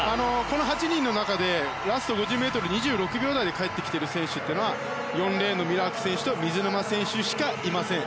この８人の中でラスト５０ｍ、２６秒台で帰ってきている選手というのは４レーンのミラーク選手と水沼選手しかいません。